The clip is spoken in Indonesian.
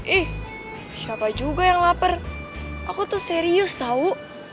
ih siapa juga yang lapar aku tuh serius tau